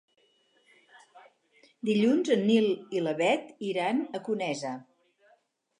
Dilluns en Nil i na Bet iran a Conesa.